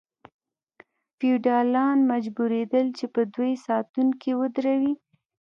فیوډالان مجبوریدل چې په دوی ساتونکي ودروي.